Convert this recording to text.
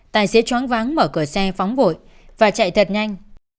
tài xế chóng vắng mở cửa xe phóng vội và chạy thật nhanh